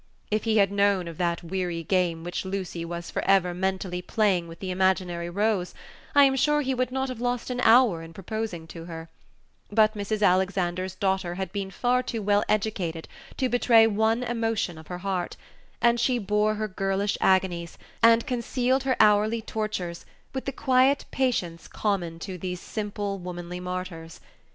If he had known of that weary game which Lucy was for ever mentally playing with the imaginary rose, I am sure he would not have lost an hour in proposing to her; but Mrs. Alexander's daughter had been far too well educated to betray one emotion of her heart, and she bore her girlish agonies, and concealed her hourly tortures, with the quiet patience common to these simple, womanly martyrs.